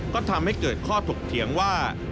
ก็ทำให้เกิดข้อถกเถียงว่า